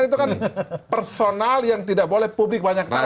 itu kan personal yang tidak boleh publik banyak tahu